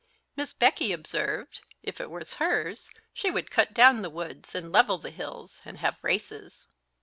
Miss Becky observed, if it was hers, she would cut down the woods, and level the hills, and have races.